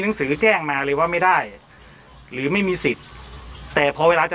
แจ้งมาเลยว่าไม่ได้หรือไม่มีสิทธิ์แต่พอเวลาจะ